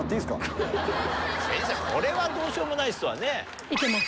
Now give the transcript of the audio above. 先生これはどうしようもないですわね。